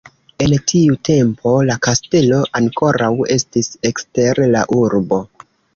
En tiu tempo la kastelo ankoraŭ estis ekster la urbo.